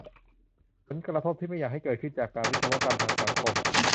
ผลกระทบที่ไม่อยากให้เกิดขึ้น จากการวิศวกรรมทางสังคม